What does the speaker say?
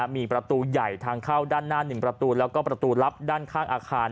มีประตูใหญ่ทางเข้าด้านหน้า๑ประตูแล้วก็ประตูลับด้านข้างอาคาร